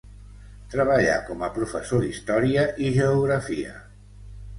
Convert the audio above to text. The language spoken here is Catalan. Treballà com a professor d'història i geografia.